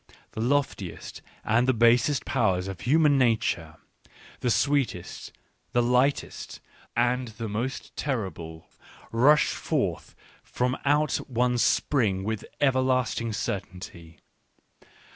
The loftiest and th basest powers of human nature, the sweetest, the lightest, and the most terrible, rush forth from out one spring with everlasting certainty.